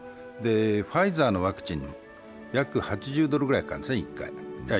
ファイザーのワクチン、約４０ドルかかるんですね、１回。